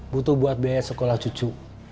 butuh buat biaya sekolah cucu